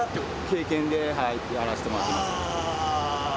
経験でやらせてもらってます。